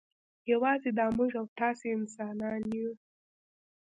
یوازې دا موږ او تاسې انسانان یو.